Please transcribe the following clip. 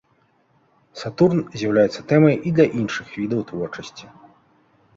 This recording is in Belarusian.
Сатурн з'яўляецца тэмай і для іншых відаў творчасці.